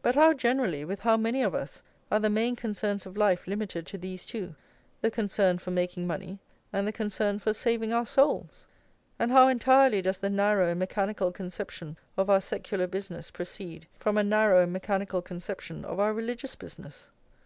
But how generally, with how many of us, are the main concerns of life limited to these two, the concern for making money, and the concern for saving our souls! And how entirely does the narrow and mechanical conception of our secular business proceed from a narrow and mechanical conception of our religious business!